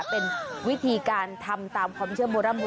เป็นวิธีการทำตามความเชื่อโบร่ำ